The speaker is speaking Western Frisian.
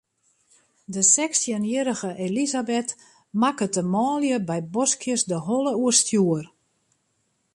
De sechstjinjierrige Elisabeth makket de manlju by boskjes de holle oerstjoer.